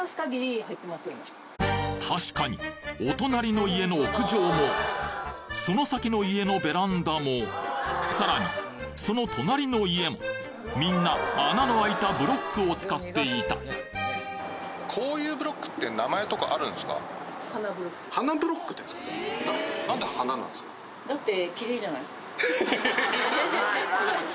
確かにお隣の家の屋上もその先の家のベランダもさらにその隣の家もみんな穴のあいたブロックを使っていただって。